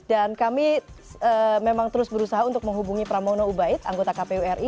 dan kami memang terus berusaha untuk menghubungi pramono ubaid anggota kpwri